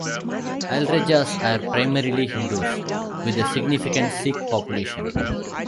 Alrejas are primarily Hindus, with a significant Sikh population.